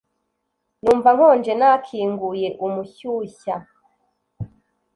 Numva nkonje nakinguye umushyushya